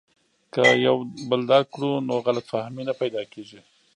که یو بل درک کړو نو غلط فهمي نه پیدا کیږي.